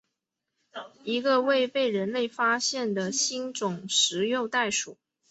一个未被人类发现的新种食肉袋鼠。